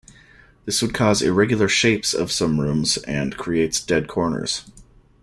This would cause irregular shapes of some rooms and creates dead corners.